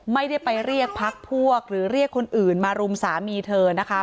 ไม่ได้ไปเรียกพักพวกหรือเรียกคนอื่นมารุมสามีเธอนะคะ